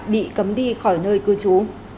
bị cấm đi khỏi nơi cư trú